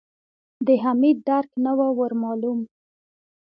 د حميد درک نه و ور مالوم.